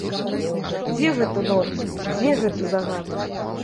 Дзе гэта норма, дзе гэты загад?